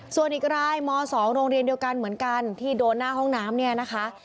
ส่วนอีกรายม๒โรงเรียนเดียวกันเหมือนกันที่โดนหน้าห้องน้ำเนี่ยนะคะ